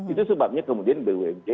itu sebabnya kemudian bumj